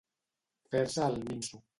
Fer-se el minso.